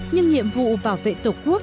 nhưng nhiệm vụ bảo vệ tổ quốc